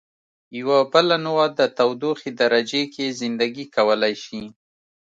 یوه بله نوعه د تودوخې درجې کې زنده ګي کولای شي.